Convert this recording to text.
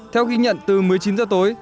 theo ghi nhận từ một mươi chín h tối